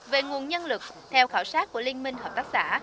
về nguồn nhân lực theo khảo sát của liên minh hợp tác xã